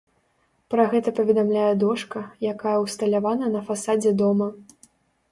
Пра гэта паведамляе дошка, якая ўсталявана на фасадзе дома.